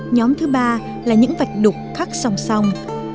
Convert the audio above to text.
nhóm thứ ba là những vạch đục khác song song